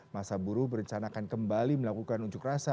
masa buruh berencanakan kembali melakukan unjuk rasa